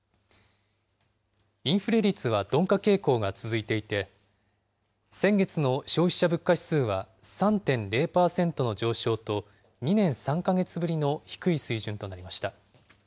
インフレ率は鈍化傾向が続いていて、先月の消費者物価指数は３．０％の上昇と、２年３か月ぶりの低い水準となりました。